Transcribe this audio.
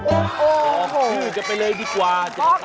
โอ้โหออกชื่อจะไปเลยดีกว่า